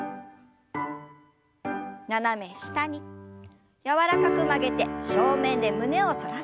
斜め下に柔らかく曲げて正面で胸を反らせます。